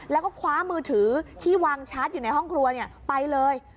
แล้วก็คว้ามือถือที่วางชาร์จอยู่ในห้องครัวไปเลย